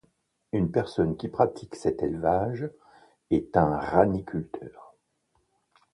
Une personne qui pratique cet élevage est un raniculteur.